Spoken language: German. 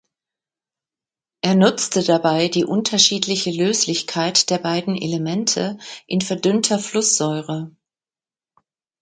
Er nutzte dabei die unterschiedliche Löslichkeit der beiden Elemente in verdünnter Flusssäure.